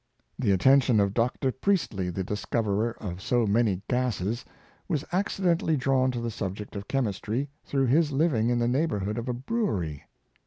The attention of Dr. Priestly, the discoverer of so many gases, was accidentally drawn to the subject of chemistry through his living in the neighborhood of a brewery.